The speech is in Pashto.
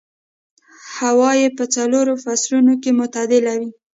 هوا يې په څلورو فصلونو کې معتدله وي.